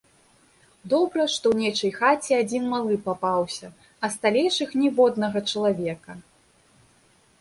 Добра, што ў нечай хаце адзін малы папаўся, а сталейшых ніводнага чалавека.